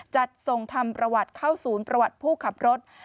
จัดส่งทำประวัติเข้าศูนย์ประวัติผู้ขับรถ